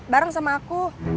bareng sama aku